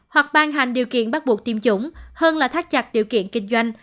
hoặc ban hành điều kiện bắt buộc tiêm chủng hơn là thắt chặt điều kiện kinh doanh